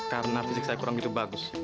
karena fisik saya kurang begitu bagus